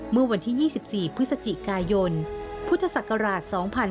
เมื่อวันที่๒๔พฤศจิกายนพุทธศักราช๒๕๕๙